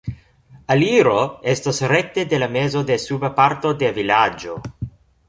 Aliro estas rekte de la mezo de suba parto de vilaĝo.